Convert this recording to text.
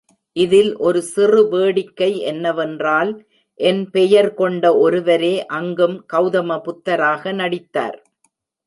இதில் ஒரு சிறு வேடிக்கை என்னவென்றால் என் பெயர் கொண்ட ஒருவரே அங்கும் கௌதம புத்தராக நடித்தார்.